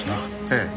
ええ。